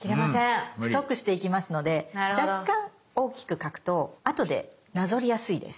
太くしていきますので若干大きく描くとあとでなぞりやすいです。